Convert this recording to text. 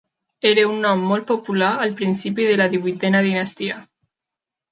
Era un nom molt popular al principi de la divuitena dinastia.